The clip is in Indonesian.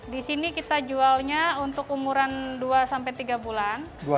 di sini kita jualnya untuk umuran dua sampai tiga bulan